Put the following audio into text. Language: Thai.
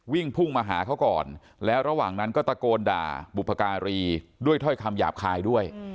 วิ่งพุ่งมาหาเขาก่อนแล้วระหว่างนั้นก็ตะโกนด่าบุพการีด้วยถ้อยคำหยาบคายด้วย